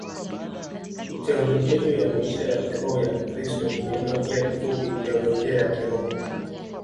Teolojia hiyo ya maisha ya kiroho ya Kikristo inaitwa pia kifupi Teolojia ya Kiroho.